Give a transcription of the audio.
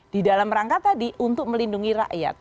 di dalam rangka tadi untuk melindungi rakyat